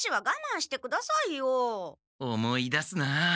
思い出すなあ。